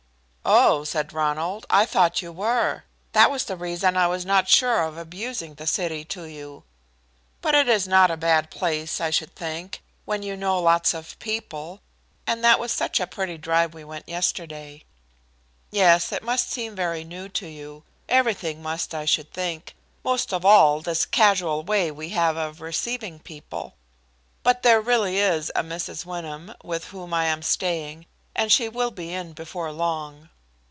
"Oh," said Ronald, "I thought you were. That was the reason I was not sure of abusing the city to you. But it is not a bad place, I should think, when you know lots of people, and that was such a pretty drive we went yesterday." "Yes, it must seem very new to you. Everything must, I should think, most of all this casual way we have of receiving people. But there really is a Mrs. Wyndham, with whom I am staying, and she will be in before long."